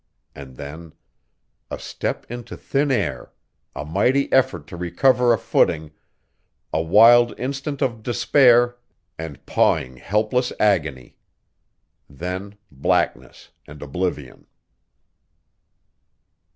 And then A step into thin air a mighty effort to recover a footing a wild instant of despair and pawing helpless agony. Then blackness and oblivion.